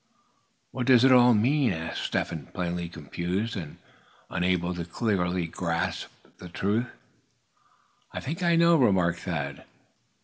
"What does it all mean?" asked Step Hen, plainly confused, and unable to clearly grasp the truth. "I think I know," remarked Thad.